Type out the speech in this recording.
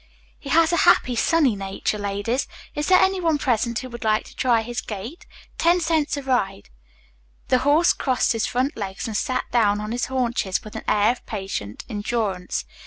"He has a happy, sunny nature, ladies. Is there any one present who would like to try his gait? Ten cents a ride." The horse crossed his front legs and sat down on his haunches with an air of patient endurance.